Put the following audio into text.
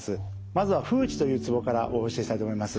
まずは風池というツボからお教えしたいと思います。